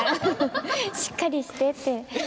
しっかりしてって。